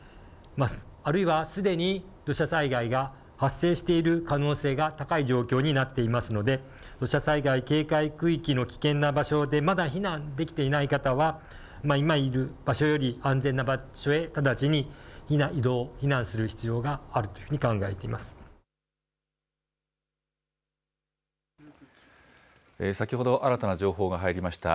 あるいはすでに、土砂災害が発生している可能性が高い状況になっていますので、土砂災害警戒区域の危険な場所で、まだ避難できていない方は、今いる場所より安全な場所へ、直ちに移動、避難する必要があると先ほど、新たな情報が入りました。